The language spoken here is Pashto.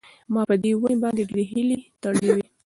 ما په دې ونې باندې ډېرې هیلې تړلې وې.